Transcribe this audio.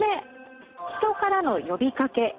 「人からの呼びかけ」。